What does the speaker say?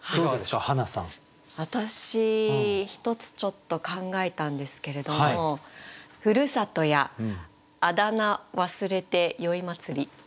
私１つちょっと考えたんですけれども「故郷やあだ名忘れて宵祭り」。